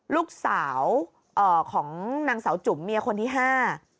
ลูกสาวเอ่อของนางสาวจุ๋มเมียคนที่ห้า